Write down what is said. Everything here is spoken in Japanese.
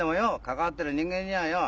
関わってる人間にはよ